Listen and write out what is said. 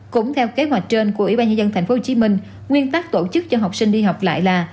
cũng theo kế hoạch trên của ủy ban nhân dân tp hcm nguyên tắc tổ chức cho học sinh đi học lại là